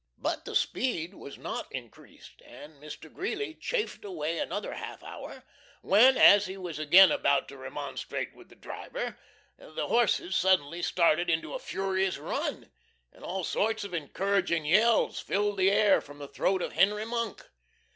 But the speed was not increased, and Mr. Greeley chafed away another half hour; when, as he was again about to remonstrate with the driver, the horses suddenly started into a furious run, and all sorts of encouraging yells filled the air from the throat of Henry Monk.